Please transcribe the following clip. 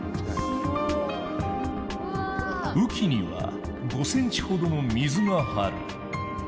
雨季には５ｃｍほどの水が張る。